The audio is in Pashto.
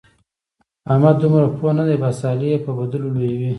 احمد دومره پوه نه دی؛ بس علي يې به بدلو لويوي.